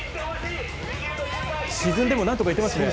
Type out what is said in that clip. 沈んでもなんとか行ってますね。